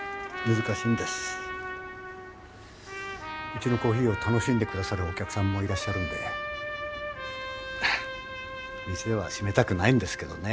うちのコーヒーを楽しんで下さるお客さんもいらっしゃるんで店はしめたくないんですけどね。